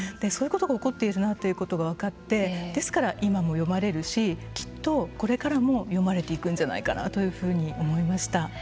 そういうことが起こっているなということが分かってですから今も読まれるしきっとこれからも読まれていくんじゃないかなというふうに思いました。